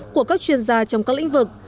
của các chuyên gia trong các lĩnh vực